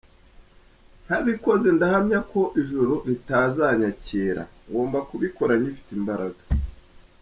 Ntabikoze ndahamya ko ijuru ritazanyakira, ngomba kubikora ngifite imbaraga.